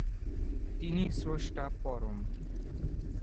তিনিই স্রষ্টা, পরম।